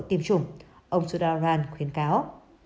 tiêm chủng ông sudararan khuyến cáo